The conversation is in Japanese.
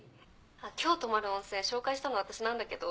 今日泊まる温泉紹介したの私なんだけど。